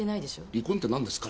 離婚って何ですか？